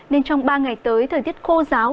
nên trong ba ngày tới thời tiết khô giáo